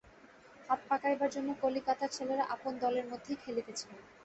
হাত পাকাইবার জন্য কলিকাতার ছেলেরা আপন দলের মধ্যেই খেলিতেছিল।